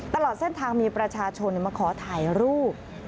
ตลอดเส้นทางมีประชาชนมาขอถ่ายรูป